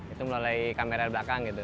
itu melalui kamera belakang gitu